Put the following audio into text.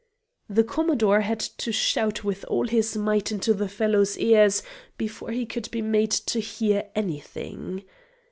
The Commodore had to shout with all his might into the fellow's ears before he could be made to hear anything.